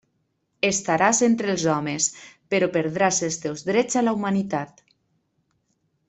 Estaràs entre els homes, però perdràs els teus drets a la humanitat.